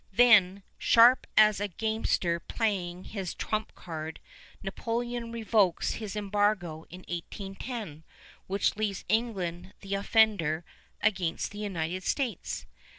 Then, sharp as a gamester playing his trump card, Napoleon revokes his embargo in 1810, which leaves England the offender against the United States.